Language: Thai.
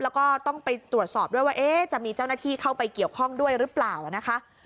แล้วก็ต้องไปตรวจสอบด้วยว่าจะมีเจ้าหน้าที่เข้าไปเกี่ยวข้องด้วยหรือเปล่านะคะ